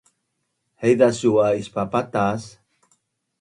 Haiza su’ a ispapatas?